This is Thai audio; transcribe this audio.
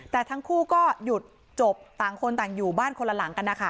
แต่ทั้งคู่ก็หยุดจบต่างคนต่างอยู่บ้านคนละหลังกันนะคะ